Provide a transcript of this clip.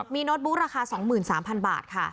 มีโน้ตบุ๊กราคา๒๓๐๐๐บาทค่ะ